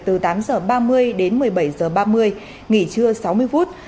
từ tám h ba mươi đến một mươi bảy h ba mươi nghỉ trưa sáu mươi phút